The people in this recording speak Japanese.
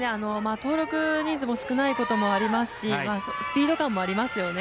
登録人数も少ないこともありますしスピード感もありますよね